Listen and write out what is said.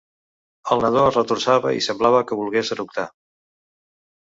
El nadó es retorçava i semblava que volgués eructar.